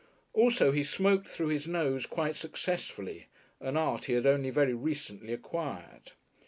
Also he smoked through his nose quite successfully, an art he had only very recently acquired.